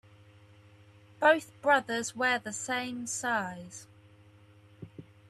Both brothers wear the same size.